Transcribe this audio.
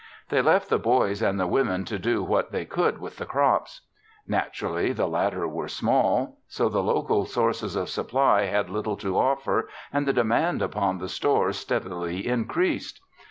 They left the boys and the women to do what they could with the crops. Naturally the latter were small. So the local sources of supply had little to offer and the demand upon the stores steadily increased.